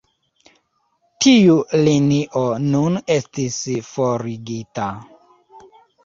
Tiu linio nun estis forigita.